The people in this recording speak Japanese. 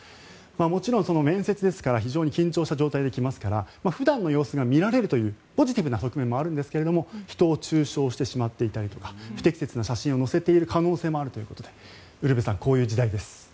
もちろん面接ですから非常に緊張した状態で来ますから普段の様子が見られるというポジティブな側面もあるんですが人を中傷してしまったりとか不適切な写真を載せている可能性もあるということでウルヴェさんこういう時代です。